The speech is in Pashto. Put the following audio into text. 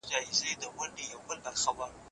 کانډوم د لېږد خطر کموي.